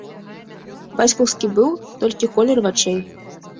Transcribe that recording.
Бацькаўскі быў толькі колер вачэй.